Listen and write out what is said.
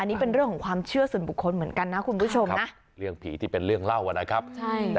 อันนี้เป็นเรื่องของความเชื่อส่วนบุคคลเหมือนกันนะคุณผู้ชมนะเรื่องผีที่เป็นเรื่องเล่านะครับใช่